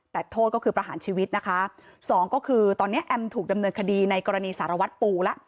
แต่โทษก็คือประหารชีวิตนะคะสองก็คือตอนนี้แอมถูกดำเนินคดีในกรณีสารวัตรปูแล้ว